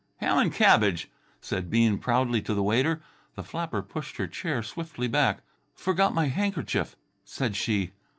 "Ham and cabbage!" said Bean proudly to the waiter. The flapper pushed her chair swiftly back. "Forgot my handkerchief," said she.